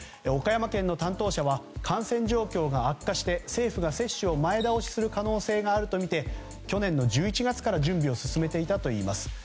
岡山県の担当者は感染状況が悪化して政府が接種を前倒しする可能性があるとみて去年の１１月から準備を進めていたといいます。